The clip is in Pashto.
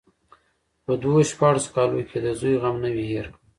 په دو شپاړسو کالو کې يې د زوى غم نه وي هېر کړى.